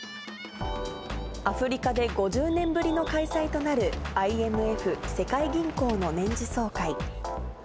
アフリカで５０年ぶりの開催となる、ＩＭＦ・世界銀行の年次総会。